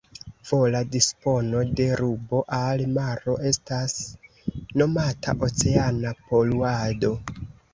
Vola dispono de rubo al maro estas nomata "oceana poluado".